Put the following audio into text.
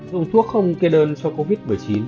ông thuốc không kê đơn cho covid một mươi chín